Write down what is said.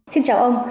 xin chào ông